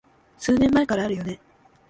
数年前からあるよね